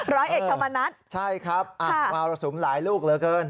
ร้อยเอกธรรมนัฐใช่ครับอ่ะมรสุมหลายลูกเหลือเกิน